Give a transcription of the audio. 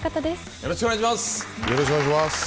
よろしくお願いします。